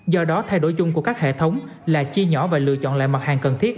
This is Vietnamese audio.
do đó thay đổi chung của các hệ thống là chia nhỏ và lựa chọn lại mặt hàng cần thiết